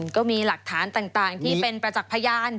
ก็มีหลักฐานต่างที่เป็นประจักษ์พยาน